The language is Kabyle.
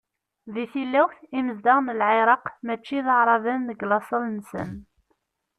Di tilawt, imezdaɣ n Lεiraq, mačči d Aεraben deg laṣel-nsen.